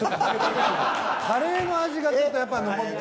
カレーの味がちょっとやっぱり残っちゃって。